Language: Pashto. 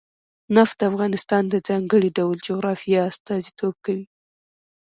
نفت د افغانستان د ځانګړي ډول جغرافیه استازیتوب کوي.